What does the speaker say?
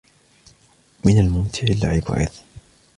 من الممتع اللعب أيضًا.